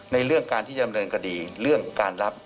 เรื่องการที่จะดำเนินคดีเรื่องการรับ